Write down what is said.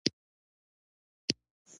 • د ورځې خواري د سبا راحت دی.